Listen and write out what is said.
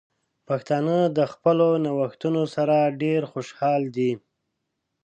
پښتانه د خپلو نوښتونو سره ډیر خوشحال دي.